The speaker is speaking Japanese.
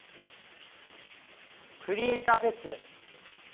クリエイターフェス